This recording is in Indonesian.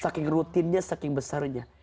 saking rutinnya saking besarnya